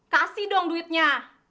kasih dong duitnya